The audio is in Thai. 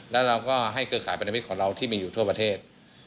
และให้เครือข่าวพันธมิตรของเราที่อยู่ทั่วประเทศ